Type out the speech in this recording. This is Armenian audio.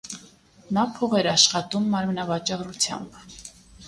Նա փող էր աշխատում մարմնավաճառությամբ։